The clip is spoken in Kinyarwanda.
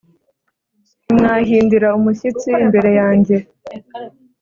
Ntimwahindira umushyitsi imbere yanjye